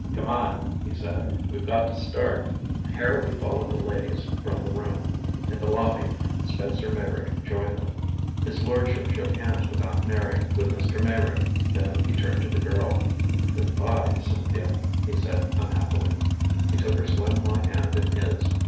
"Come on," he said. "We've got to start." Harrowby followed the ladies from the room. In the lobby Spencer Meyrick joined them. His lordship shook hands with Aunt Mary, with Mr. Meyrick then he turned to the girl. "Good by, Cynthia," he said unhappily. He took her slim white hand in his.